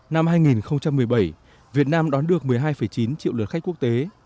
năm hai nghìn một mươi bảy việt nam đón được một mươi hai chín triệu lượt khách quốc tế